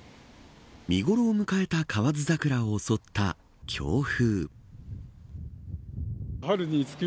見頃を迎えた河津桜を襲った強風。